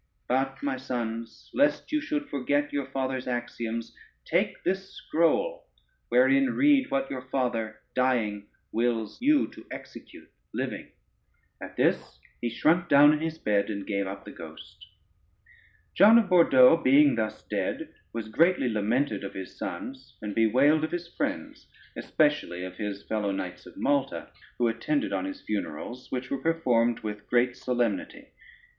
But, my sons, lest you should forget your father's axioms, take this scroll, wherein read what your father dying wills you to execute living." At this he shrunk down in his bed, and gave up the ghost. [Footnote 1: falcon.] [Footnote 2: faggot's.] [Footnote 3: patron.] John of Bordeaux being thus dead was greatly lamented of his sons, and bewailed of his friends, especially of his fellow Knights of Malta, who attended on his funerals, which were performed with great solemnity.